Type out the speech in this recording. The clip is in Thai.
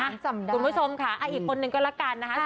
คุณผู้ชมค่ะอีกคนนึงก็แล้วกันนะคะ